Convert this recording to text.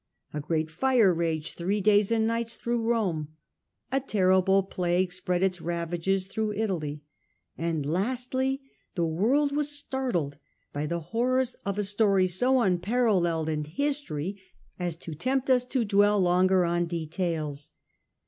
A great fire ters of his j'aged three days and nights through Rome ; a terrible plague spread its ravages through Italy ; and lastly the world was startled by the horrors of a story so unparalleled in history as to tempt us to dwell longer on details.